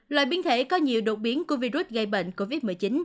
loại biến thể có nhiều đột biến của virus gây bệnh covid một mươi chín